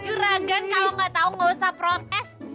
juregan kalo gak tau gak usah protes